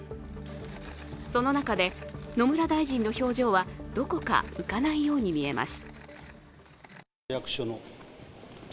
この中で野村大臣の表情はどこか浮かないように見えます。